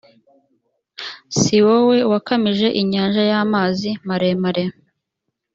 si wowe wakamije inyanja y amazi maremare